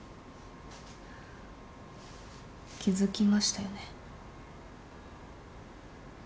気付きましたよね？